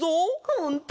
ほんと？